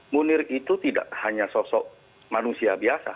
munir itu tidak hanya sosok manusia biasa